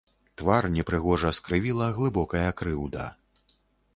Твар непрыгожа скрывіла глыбокая крыўда.